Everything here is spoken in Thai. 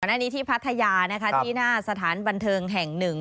อันนี้ที่พัทยานะคะที่หน้าสถานบันเทิงแห่งหนึ่ง